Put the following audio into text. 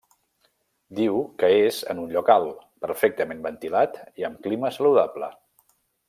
Diu que és en un lloc alt, perfectament ventilat i amb clima saludable.